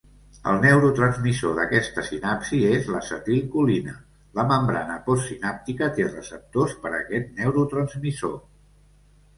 El neurotransmissor d'aquesta sinapsi és l'acetilcolina, La membrana postsinàptica té receptors per aquest neurotransmissor.